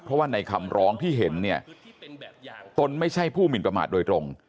เพราะว่าในคำร้องที่เห็นเนี่ยตนไม่ใช่ผู้หมินประมาทโดยตรง